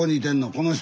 この人。